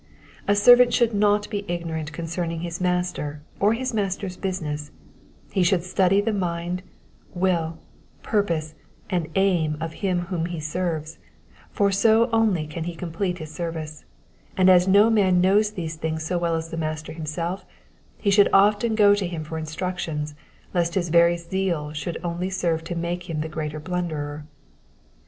A servant should not be ignorant concerning his master, or nis master^s business ; he should study the mind, will, purpose, and aim of him whom he serves, jfor so only can he complete his service ; and as no man knows these things so well as his master himself, he should often go to him for instructions, lest his very zeal should only serve to make him the greater blunderer.